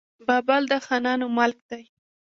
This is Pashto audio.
بابل د خانانو ملک دی.